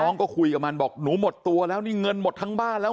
ก็คุยกับมันบอกหนูหมดตัวแล้วนี่เงินหมดทั้งบ้านแล้ว